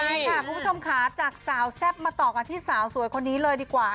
ใช่ค่ะคุณผู้ชมค่ะจากสาวแซ่บมาต่อกันที่สาวสวยคนนี้เลยดีกว่า